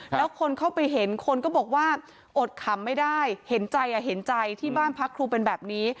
แล้วคนเข้าไปเห็นคนก็บอกว่าอดขำไม่ได้เห็นใจเห็นใจที่บ้านพักครูเป็นแบบนี้